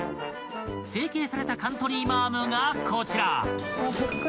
［成形されたカントリーマアムがこちら］